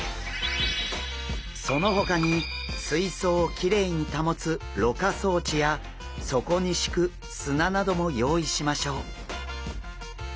そのほかに水槽をきれいに保つ「ろ過装置」や底に敷く砂なども用意しましょう。